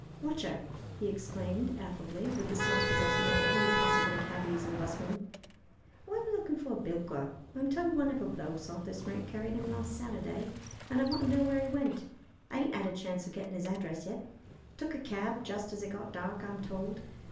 "Watcheer!" he exclaimed, affably, with the self possessed nod only possible to cabbies and 'busmen. "I'm a lookin' for a bilker. I'm told one o' the blokes off this rank carried 'im last Saturday, and I want to know where he went. I ain't 'ad a chance o' gettin' 'is address yet. Took a cab just as it got dark, I'm told.